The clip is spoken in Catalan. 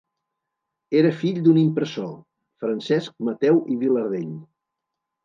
Era fill d'un impressor, Francesc Mateu i Vilardell.